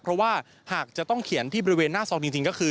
เพราะว่าหากจะต้องเขียนที่บริเวณหน้าซองจริงก็คือ